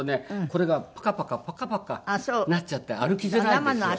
これがパカパカパカパカなっちゃって歩きづらいんですよ。